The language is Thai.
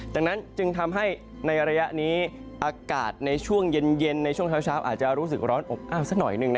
ดังนั้นจึงทำให้ในระยะนี้อากาศในช่วงเย็นในช่วงเช้าอาจจะรู้สึกร้อนอบอ้าวสักหน่อยหนึ่ง